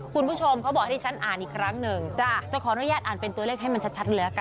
คุณผู้ชมเขาบอกให้ฉันอ่านอีกครั้งหนึ่งจะขออนุญาตอ่านเป็นตัวเลขให้มันชัดเลยละกัน